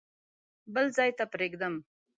بل ځای ته پرېږدم.